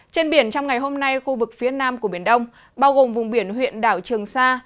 trên biển trong ngày hôm nay khu vực phía nam của biển đông bao gồm vùng biển huyện đảo trường sa